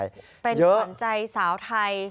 เป็นขวัญใจสาวไทย